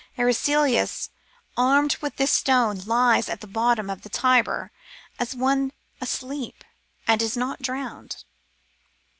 Eraclius, armed with this stone, lies at the bottom of the Tiber, as one asleep, and is not drowned.